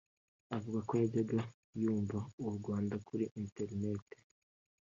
Avuga ko yajyaga yumva u Rwanda kuri internet